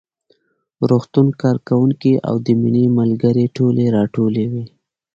روغتون کارکوونکي او د مينې ملګرې ټولې راټولې وې